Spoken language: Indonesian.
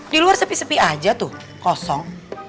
di luar sepi sepi aja tuh kosong